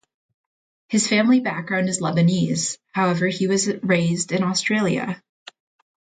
His family background is Lebanese, however he was raised in Australia.